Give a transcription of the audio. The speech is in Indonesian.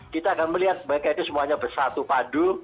kita akan melihat mereka itu semuanya bersatu padu